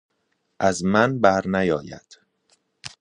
از من بر نیآید